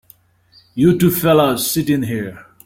You two fellas sit in here.